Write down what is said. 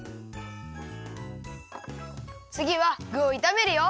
つぎはぐをいためるよ。